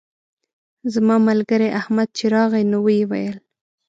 زما ملګری احمد چې راغی نو ویې ویل.